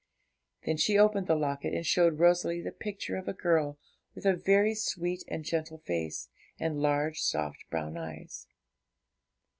Then she opened the locket, and showed Rosalie the picture of a girl with a very sweet and gentle face, and large, soft brown eyes.